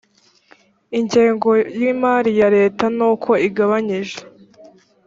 ingengoyimari ya leta n uko igabanyije